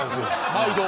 毎度。